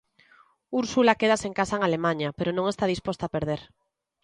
Úrsula queda sen casa en Alemaña, pero non está disposta a perder.